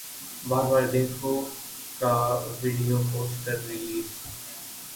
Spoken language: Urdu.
بار بار دیکھو کا ویڈیو پوسٹر ریلیز